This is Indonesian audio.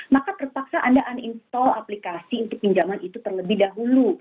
maka terpaksa anda uninstall aplikasi untuk pinjaman itu terlebih dahulu